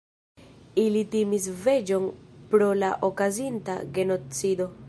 Ili timis venĝon pro la okazinta genocido.